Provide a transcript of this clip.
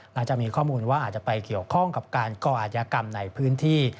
หลังจากมีข้อมูลว่าอาจจะไปเกี่ยวข้องกับการก่ออาจยากรรมในพื้นที่